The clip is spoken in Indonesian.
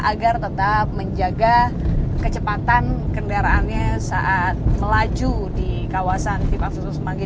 agar tetap menjaga kecepatan kendaraannya saat melaju di kawasan pipa susu semanggi